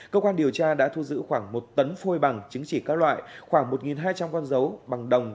cơ quan điều tra đã thu giữ khoảng một tấn phôi bằng chứng chỉ các loại khoảng một hai trăm linh con dấu bằng đồng